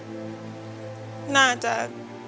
ก็น่าจะ